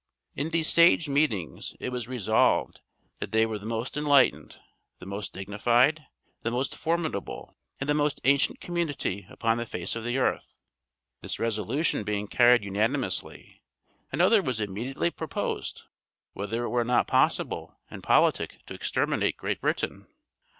In these sage meetings it was resolved that they were the most enlightened, the most dignified, the most formidable, and the most ancient community upon the face of the earth. This resolution being carried unanimously, another was immediately proposed whether it were not possible and politic to exterminate Great Britain?